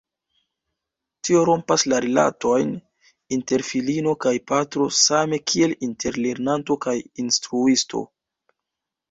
Tio rompas la rilatojn inter filino kaj patro same kiel inter lernanto kaj instruisto.